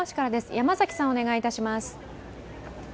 山崎さん、お願いいたします。